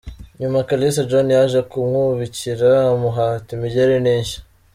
Nyuma Kalisa John yaje kumwubikira amuhata imigeri n’inshyi.